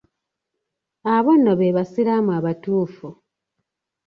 Abo nno be basiraamu abatuufu.